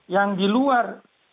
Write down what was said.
yang di luar